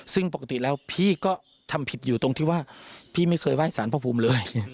ซึ่งปกติแล้วพี่ก็ทำผิดอยู่ตรงที่ว่าพี่ไม่เคยไห้สารพระภูมิเลย